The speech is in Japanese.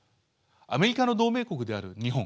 アメリカの同盟国である日本